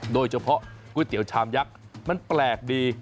โดยเฉพาะก๋วยเตี๋ยวชามยักษ์มันแปลกดี